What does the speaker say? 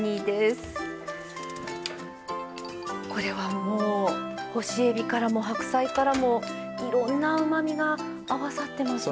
これはもう干しえびからも白菜からもいろんなうまみが合わさってますね。